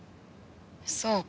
そうか。